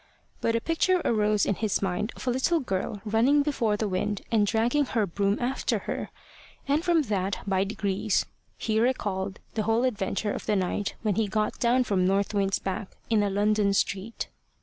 But a picture arose in his mind of a little girl running before the wind and dragging her broom after her; and from that, by degrees, he recalled the whole adventure of the night when he got down from North Wind's back in a London street.